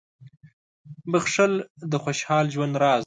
• بښل د خوشحال ژوند راز دی.